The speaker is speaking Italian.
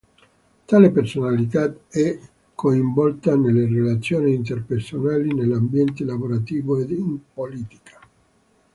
Tale personalità è coinvolta nelle relazioni interpersonali, nell'ambiente lavorativo ed in politica.